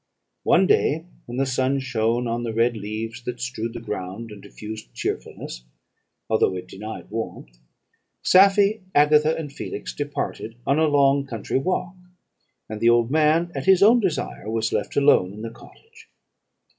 "One day, when the sun shone on the red leaves that strewed the ground, and diffused cheerfulness, although it denied warmth, Safie, Agatha, and Felix departed on a long country walk, and the old man, at his own desire, was left alone in the cottage.